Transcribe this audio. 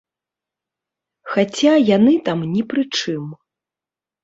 Хаця яны там ні пры чым.